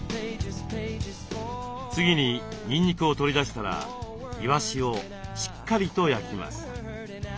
次ににんにくを取り出したらいわしをしっかりと焼きます。